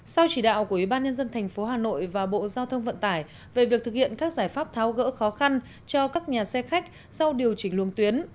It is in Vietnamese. sau chỉ đạo của ubnd tp hà nội và bộ giao thông vận tải về việc thực hiện các giải pháp tháo gỡ khó khăn cho các nhà xe khách sau điều chỉnh luồng tuyến